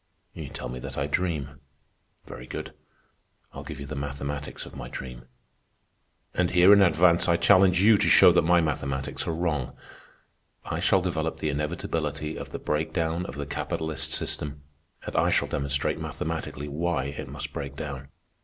"You tell me that I dream. Very good. I'll give you the mathematics of my dream; and here, in advance, I challenge you to show that my mathematics are wrong. I shall develop the inevitability of the breakdown of the capitalist system, and I shall demonstrate mathematically why it must break down.